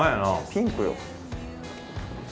ピンクよ。